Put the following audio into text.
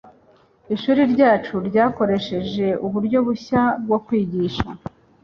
Ishuri ryacu ryakoresheje uburyo bushya bwo kwigisha.